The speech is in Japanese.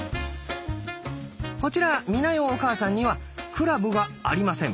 こちら美奈代お母さんにはクラブがありません。